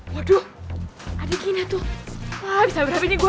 waduh ada gini tuh wah bisa berhenti nih gua